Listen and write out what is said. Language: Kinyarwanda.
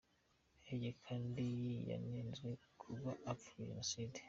Hege kandi yanenzwe kuba apfobya jenoside.